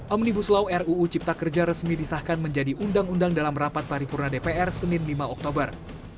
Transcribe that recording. omnibus law ruu cipta kerja resmi disahkan menjadi undang undang dalam rapat paripurna dpr senin lima oktober